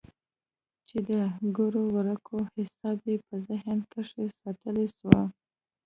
چې د ګردو ورقو حساب يې په ذهن کښې ساتلى سو.